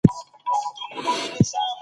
تشبيهات